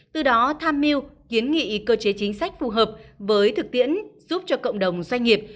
từ đó tham mưu kiến nghị cơ chế chính sách phù hợp với thực tiễn giúp cho cộng đồng doanh nghiệp